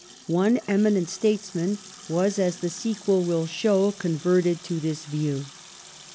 One eminent statesman was, as the sequel will show, converted to this view.